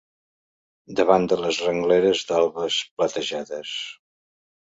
Davant de les rengleres d'albes platejades